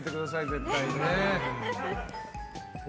絶対にね。